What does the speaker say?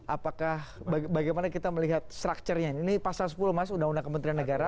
apakah bagaimana kita melihat structure nya ini pasal sepuluh mas undang undang kementerian negara